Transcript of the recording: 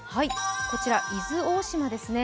こちら、伊豆大島ですね。